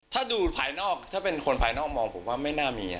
ถ้าดูภายนอกถ้าเป็นคนภายนอกมองผมว่าไม่น่ามี